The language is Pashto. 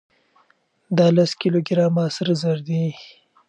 دا لس کيلو ګرامه سره زر دي.